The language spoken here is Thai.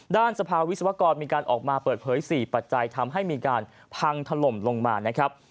ด้านสภาวิศวกรมีการออกมาเปิดเผย๔ปัจจัยทำให้มีการพังถล่มลงมานะครับ